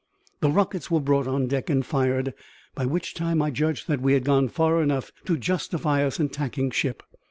The rockets were brought on deck and fired; by which time I judged that we had gone far enough to justify us in tacking ship.